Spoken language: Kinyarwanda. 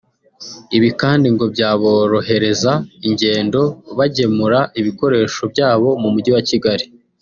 Ibi kandi ngo byaborohereza ingendo bagemura ibikoresho byabo mu mujyi wa Kigali